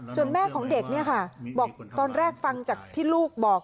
ส่วนแม่ของเด็กเนี่ยค่ะบอกตอนแรกฟังจากที่ลูกบอก